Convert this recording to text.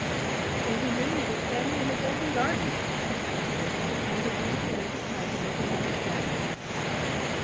The next thing he knew he was standing in the golden garden, and there was the Counterpane Fairy beside him looking at him sadly.